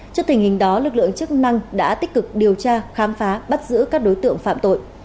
trước tình hình đó lực lượng chức năng đã tích cực điều tra khám phá bắt giữ các đối tượng phạm tội